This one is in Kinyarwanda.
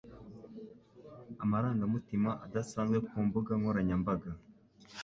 amarangamutima adasanzwe ku mbuga nkoranyambaga